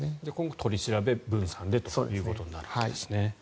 取り調べ、分散でということになるんですね。